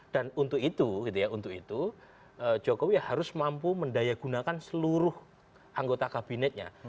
dan untuk itu untuk itu jokowi harus mampu mendayakunakan seluruh anggota kabinetnya